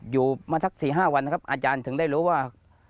อยู่มาสัก๔๕วันนะครับอาจารย์ถึงได้รู้ว่า